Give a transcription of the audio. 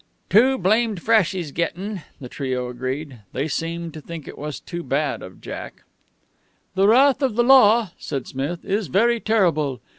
"Too blamed fresh he's gettin'," the trio agreed. They seemed to think it was too bad of Jack. "The wrath of the Law," said Smith, "is very terrible.